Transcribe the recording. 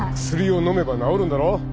薬を飲めば治るんだろ。